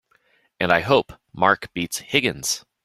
And I hope Mark beats Higgins!